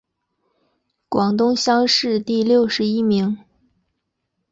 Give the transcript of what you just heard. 广东乡试第六十一名。